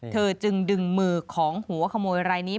จึงดึงมือของหัวขโมยรายนี้